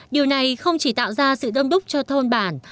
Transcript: điều này không chỉ tạo ra sự đông đúc cho thôn bản